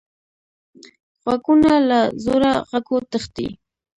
غوږونه له زوره غږو تښتي